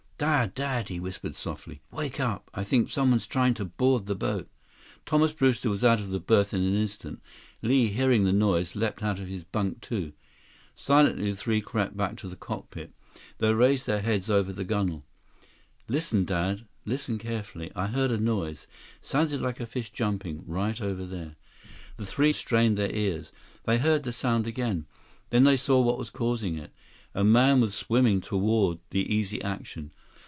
"Dad, Dad," he whispered softly. "Wake up. I think someone's trying to board the boat." Thomas Brewster was out of his berth in an instant. Li, hearing the noise, leaped out of his bunk, too. Silently the three crept back to the cockpit. They raised their heads over the gunnel. "Listen, Dad. Listen carefully. I heard a noise; sounded like a fish jumping. Right over there." The three strained their ears. They heard the sound again. Then they saw what was causing it. A man was swimming toward the Easy Action.